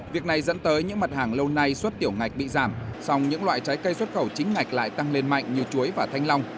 việc này dẫn tới những mặt hàng lâu nay xuất tiểu ngạch bị giảm song những loại trái cây xuất khẩu chính ngạch lại tăng lên mạnh như chuối và thanh long